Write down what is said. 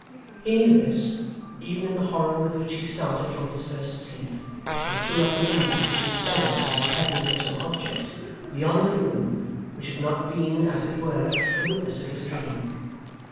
He knew this, even in the horror with which he started from his first sleep, and threw up the window to dispel it by the presence of some object, beyond the room, which had not been, as it were, the witness of his dream.